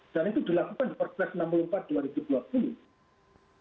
dan itu dilakukan di perkes enam puluh empat dua ribu dua puluh